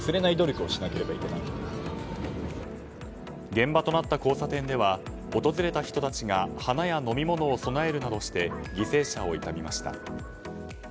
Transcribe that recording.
現場となった交差点では訪れた人たちが花や飲み物を供えるなどして犠牲者を悼みました。